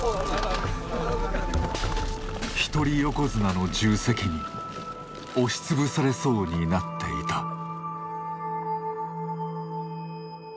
一人横綱の重責に押し潰されそうになっていた。